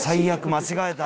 間違えた。